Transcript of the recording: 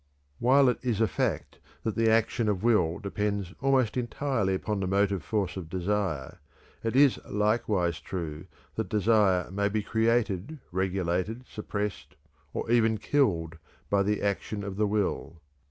While it is a fact that the action of will depends almost entirely upon the motive force of desire, it is likewise true that desire may be created, regulated, suppressed, and even killed by the action of the will.